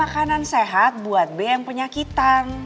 ya makanan sehat buat bi yang penyakitan